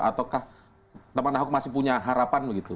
ataukah teman ahok masih punya harapan begitu